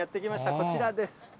こちらです。